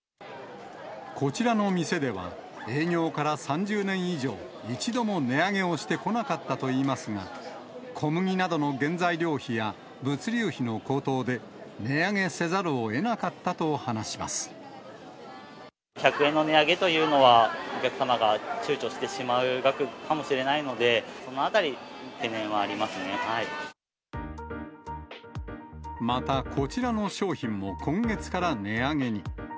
こちらの店では、営業から３０年以上、一度も値上げをしてこなかったといいますが、小麦などの原材料費や物流費の高騰で、値上げせざるをえなかった１００円の値上げというのは、お客様がちゅうちょしてしまう額かもしれないので、そのあたり、また、こちらの商品も今月から値上げに。